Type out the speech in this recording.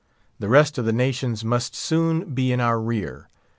The rest of the nations must soon be in our rear.